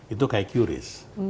itu kayak qris